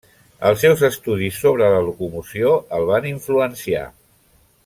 Els seus estudis sobre la locomoció el van influenciar.